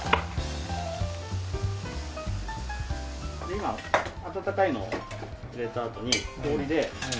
今温かいのを入れたあとに氷で。